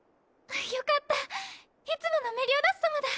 よかったいつものメリオダス様だ。